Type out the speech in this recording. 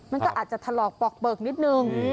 มันก็อาจจะถลอกปอกเปิกนิดนึง